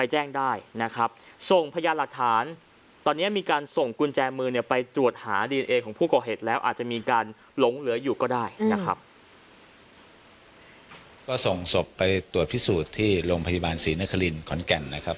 หลงเหลืออยู่ก็ได้นะครับก็ส่งศพไปตรวจพิสูจน์ที่โรงพยาบาลศรีนครินทร์ขอนแก่นนะครับ